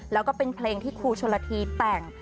แล้วก็เป็นเพลงที่ครูชนละทีแต่ง